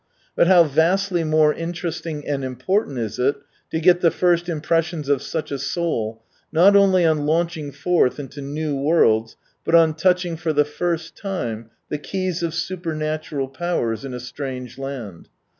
Bui how vastly more interesting and important is it to get the first impres sions of such a soul not only on launching forth into new worlds, but on touching for the first time the keys of supernatural powers in a strange land.